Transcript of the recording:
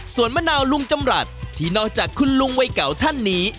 ส่วนมะนาวลุงจำรัฐที่นอกจากคุณลุงวัยเก่าท่านนี้